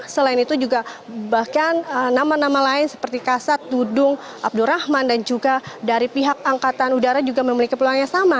selain itu juga bahkan nama nama lain seperti kasat dudung abdurrahman dan juga dari pihak angkatan udara juga memiliki peluang yang sama